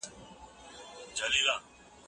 که ته بریالی سوي نو ماته ووایه.